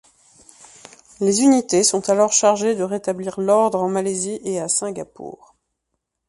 Les unités sont alors chargées de rétablir l'ordre en Malaisie et à Singapour.